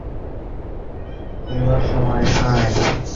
তোমার চোখের বালির সঙ্গে আলাপ করিবার সময় কই।